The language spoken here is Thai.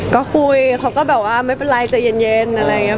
ก็คุยเขาก็แบบว่าไม่เป็นไรใจเย็นอะไรอย่างนี้